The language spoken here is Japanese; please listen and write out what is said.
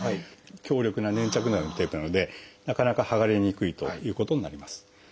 強力な粘着のあるテープなのでなかなかはがれにくいということになります。